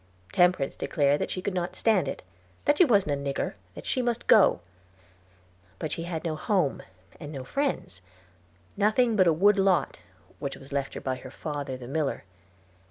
Temperance declared that she could not stand it; that she wasn't a nigger; that she must go, but she had no home, and no friends nothing but a wood lot, which was left her by her father the miller.